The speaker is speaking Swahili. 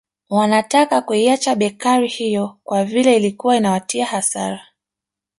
Wanataka kuiacha bekari hiyo kwa vile ilikuwa inawatia hasara